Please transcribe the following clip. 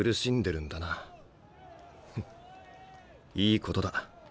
いいことだ。